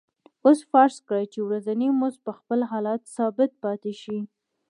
اوس فرض کړئ چې ورځنی مزد په خپل حال ثابت پاتې شي